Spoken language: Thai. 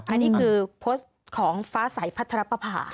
อันนี้คือโพสต์ของฟ้าใสพัทรปภา